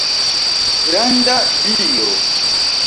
Granda Dio!